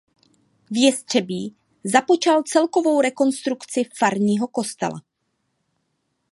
V Jestřebí započal celkovou rekonstrukci farního kostela.